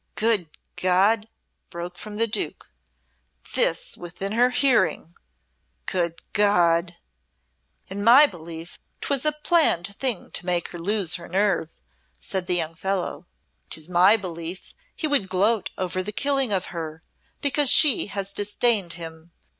"Good God!" broke from the Duke. "This within her hearing! Good God!" "In my belief 'twas a planned thing to make her lose her nerve," said the young fellow. "'Tis my belief he would gloat over the killing of her, because she has disdained him.